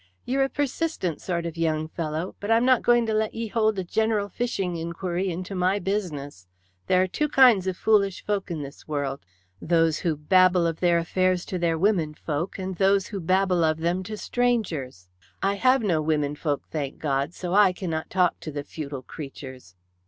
Ye're a persistent sort of young fellow, but I'm not going to let ye hold a general fishing inquiry into my business. There are two kinds of foolish folk in this world. Those who babble of their affairs to their womenfolk, and those who babble of them to strangers. I have no womenfolk, thank God! so I cannot talk to the futile creatures."